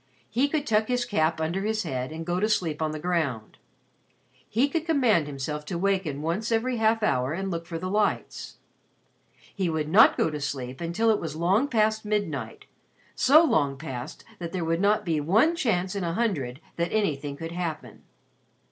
He could tuck his cap under his head and go to sleep on the ground. He could command himself to waken once every half hour and look for the lights. He would not go to sleep until it was long past midnight so long past that there would not be one chance in a hundred that anything could happen.